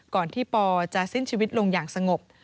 ก่อนที่ปอจะสิ้นชีวิตลงอย่างสงบ